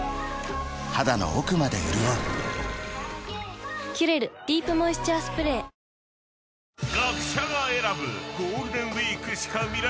肌の奥まで潤う「キュレルディープモイスチャースプレー」始まりました